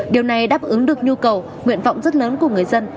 điều này đáp ứng được nhu cầu nguyện vọng rất lớn của người dân